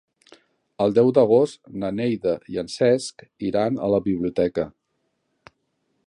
El deu d'agost na Neida i en Cesc iran a la biblioteca.